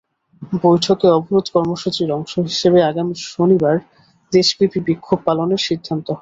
বৈঠকে অবরোধ কর্মসূচির অংশ হিসেবে আগামী শনিবার দেশব্যাপী বিক্ষোভ পালনের সিদ্ধান্ত হয়।